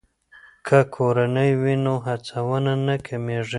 که کورنۍ وي نو هڅونه نه کمیږي.